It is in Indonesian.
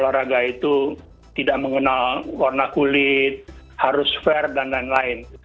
olahraga itu tidak mengenal warna kulit harus fair dan lain lain